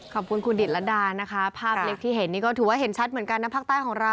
ขอบคุณคุณดิตรดานะคะภาพเล็กที่เห็นนี่ก็ถือว่าเห็นชัดเหมือนกันนะภาคใต้ของเรา